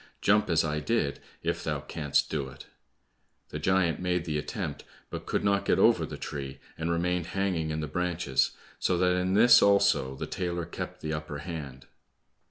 Jump as I did, if thou canst do it." The giant made the attempt, but could not get over the tree, and remained hanging in the branches, so that in this also the tailor kept the upper hand.